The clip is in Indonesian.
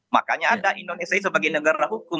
makanya ada indonesia sebagai negara hukum